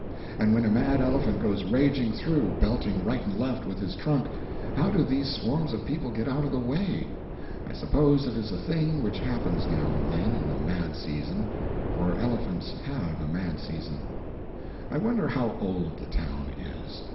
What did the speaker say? And when a mad elephant goes raging through, belting right and left with his trunk, how do these swarms of people get out of the way? I suppose it is a thing which happens now and then in the mad season (for elephants have a mad season). I wonder how old the town is.